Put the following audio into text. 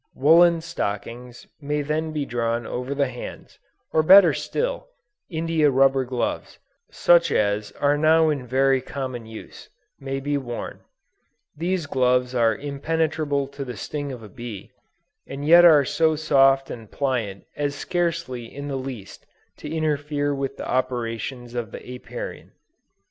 Woolen stockings may then be drawn over the hands, or better still, India Rubber gloves, such as are now in very common use, may be worn; these gloves are impenetrable to the sting of a bee, and yet are so soft and pliant as scarcely in the least to interfere with the operations of the Apiarian.